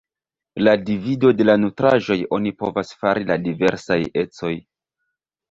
La divido de la nutraĵoj oni povas fari la diversaj ecoj.